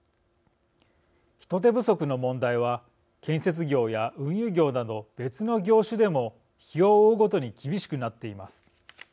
人手不足の問題は建設業や運輸業など別の業種でも日を追うごとに厳しくなっています。